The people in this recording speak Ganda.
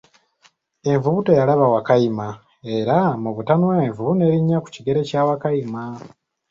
Envubu teyalaba Wakayima, era mubutanwa envubu n'erinnya ku kigere kya Wakayima.